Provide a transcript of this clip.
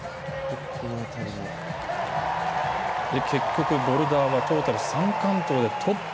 結局、ボルダーはトータル３完登でトップ。